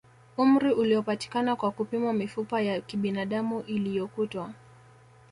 Umri uliopatikana kwa kupimwa mifupa ya kibinadamu iliyokutwa